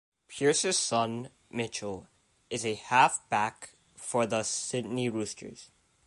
Pearce's son, Mitchell is a half-back for the Sydney Roosters.